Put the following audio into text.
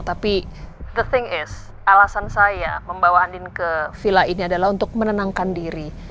tapi the thing is alasan saya membawa andin ke villa ini adalah untuk menenangkan diri